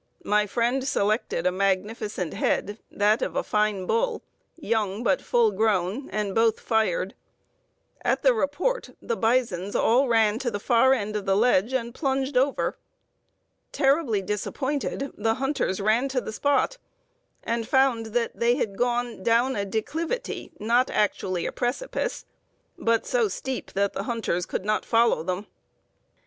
My friend selected a magnificent head, that of a fine bull, young but full grown, and both fired. At the report the bisons all ran to the far end of the ledge and plunged over. "Terribly disappointed, the hunters ran to the spot, and found that they had gone down a declivity, not actually a precipice, but so steep that the hunters could not follow them.